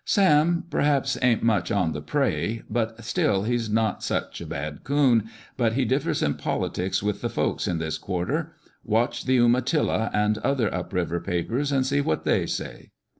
Sam, perhaps, ain't much on the pray, but still he's not such a bad coon ; but he differs in politics with the folks in this quarter. Watch the Umatilla and other up river papers, and see what they say."